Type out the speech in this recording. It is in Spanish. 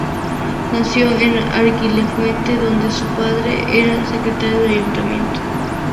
Nació en Aguilafuente, donde su padre era secretario del Ayuntamiento.